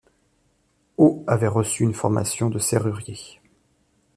Aue avait reçu une formation de serrurier.